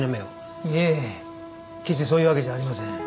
いえ決してそういうわけじゃありません。